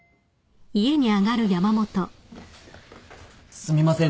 ・すみません